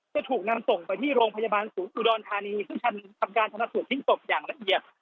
จะถูกนำส่งไปที่โรงพยาบาลศูนย์อุดรธานีซึ่งทำการชนะสูตรพลิกศพอย่างละเอียด